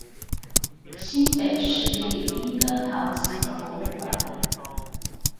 新北市立鶯歌陶瓷博物館